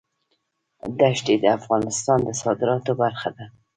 دښتې د افغانستان د صادراتو برخه ده.